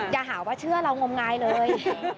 อย่าหาว่าเชื่อเรางมงายเลย